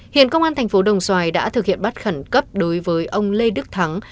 hiện công an thành phố đồng xoài đã thực hiện bắt khẩn cấp đối với ông lê đức thắng